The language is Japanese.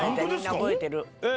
覚えてる。